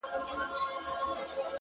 د تورو شپو پر تك تور تخت باندي مــــــا’